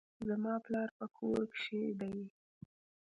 زما پلار په کور کښي دئ.